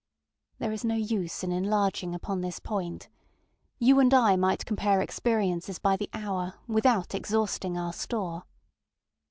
There is no use in enlarging upon this point. You and I might compare experiences by the hour without exhausting our store.